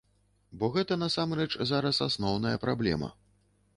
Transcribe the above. Бо гэта насамрэч зараз асноўная праблема.